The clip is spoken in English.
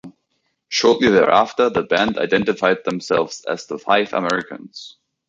Shortly thereafter, the band identified themselves as the Five Americans.